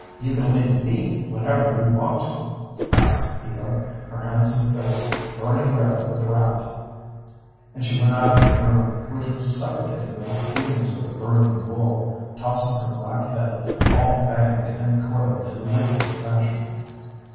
"You can leave me whenever you want to," said Eva, her handsome face burning red with wrath, and she went out of the room, which was suffocating with the fumes of the burning wool, tossing her black head, all banged and coiled in the latest fashion.